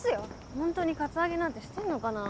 ホントにカツアゲなんてしてんのかなぁ？